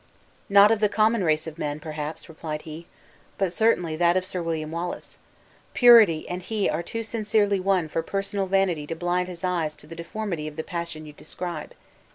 "Not of the common race of men, perhaps," replied he; "but certainly that of Sir William Wallace. Purity and he are too sincerely one for personal vanity to blind his eyes to the deformity of the passion you describe.